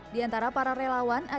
di antara para relawan